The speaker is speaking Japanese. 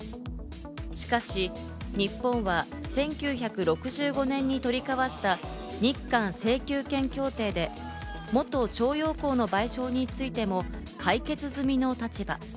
しかし、日本は１９６５年に取り交わした日韓請求権協定で、元徴用工への賠償についても解決済みの立場。